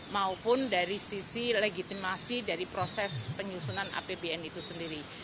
maupun dari sisi legitimasi dari proses penyusunan apbn itu sendiri